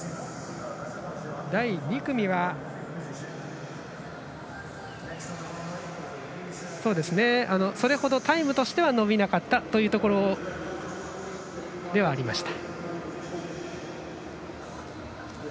第２組はそれほどタイムとしては伸びなかったというところではありました。